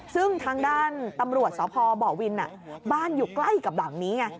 ซึ่งทางด้านตำรวจสพบวินบ้านอยู่ใกล้กับหลังนี้ไง